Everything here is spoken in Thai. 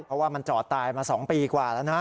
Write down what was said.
เพราะว่ามันจอดตายมา๒ปีกว่าแล้วนะ